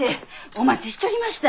お待ちしちょりました！